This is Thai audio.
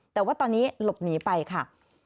แต่ว่าตอนนี้หลบหนีไปค่ะ